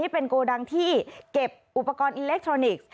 เป็นโกดังที่เก็บอุปกรณ์อิเล็กทรอนิกส์